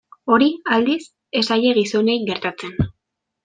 Hori, aldiz, ez zaie gizonei gertatzen.